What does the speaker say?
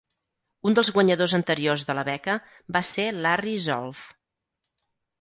Un dels guanyadors anteriors de la beca va ser Larry Zolf.